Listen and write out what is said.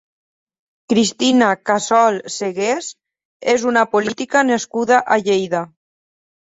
Cristina Casol Segués és una política nascuda a Lleida.